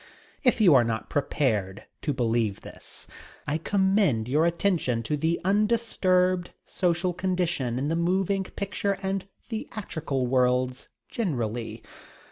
If you are not prepared to believe this, I commend your attention to the undisturbed social conditions in the moving picture and theatrical worlds generally.